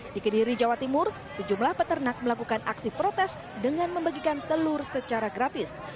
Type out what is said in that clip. di kediri jawa timur sejumlah peternak melakukan aksi protes dengan membagikan telur secara gratis